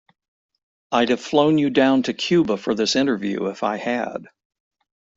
I'd have flown you down to Cuba for this interview if I had.